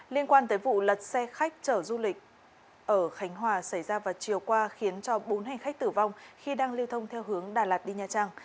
liên quan tới vụ lật xe khách chở du lịch ở khánh hòa xảy ra vào chiều qua khiến cho bốn hành khách tử vong khi đang lưu thông theo hướng đà lạt đi nha trang